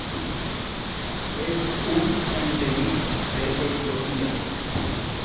Es un endemismo de Etiopía.